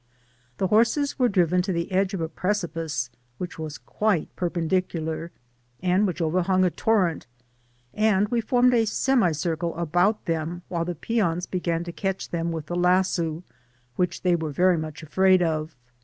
The horses were driven to the edge of a preci pice which was quite perpendicular, and which overhung a torrent, and we formed a semicircle about them while the peons began to catch them with the lasso, which they were much afraid of.